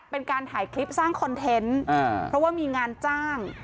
เป็นการถ่ายคลิปสร้างคอนเทนต์เพราะว่ามีงานจ้าง